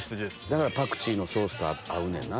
だからパクチーのソースと合うねんな。